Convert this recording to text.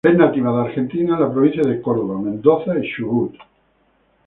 Es nativa de la Argentina, en las provincias de Córdoba, Mendoza, Chubut.